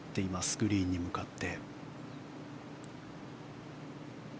グリーンに向かって。